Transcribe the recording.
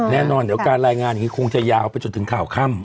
แน่นอนเดี๋ยวการรายงานอย่างนี้คงจะยาวไปจนถึงข่าวค่ำ